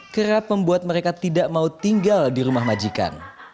kerap membuat mereka tidak mau tinggal di rumah majikan